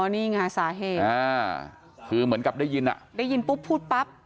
นี่ไงสาเหตุอ่าคือเหมือนกับได้ยินอ่ะได้ยินปุ๊บพูดปั๊บ